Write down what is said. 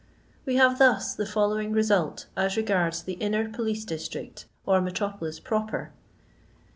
We have thus the following result, as regards the inner police district^ or Metropolis Proper :— Miles.